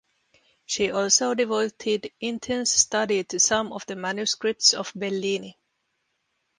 She also devoted intense study to some of the manuscripts of Bellini.